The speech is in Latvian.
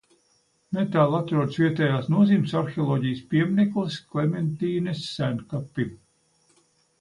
Netālu atrodas vietējas nozīmes arheoloģijas piemineklis – Klementīnes senkapi.